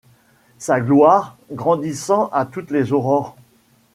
Sa gloire, grandissant à toutes les aurores